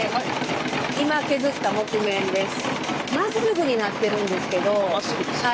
今削った木毛です。